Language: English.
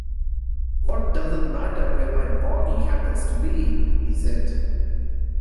‘What does it matter where my body happens to be?’ he said.